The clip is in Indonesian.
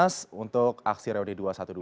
mas untuk aksi reuni dua ratus dua belas